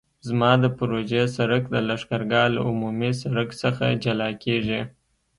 زما د پروژې سرک د لښکرګاه له عمومي سرک څخه جلا کیږي